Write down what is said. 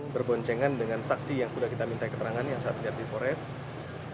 berboncengan dengan saksi yang sudah kita minta keterangan yang saya lihat di forest